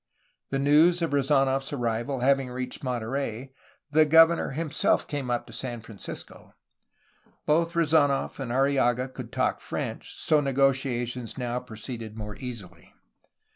The news of Rezd^nof's arrival having reached Monterey, the governor himself came up to San Francisco. Both Re zdnof and Arrillaga could talk French; so negotiations now proceeded more easily.